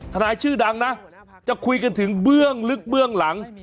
นายชื่อดังนะจะคุยกันถึงเบื้องลึกเบื้องหลัง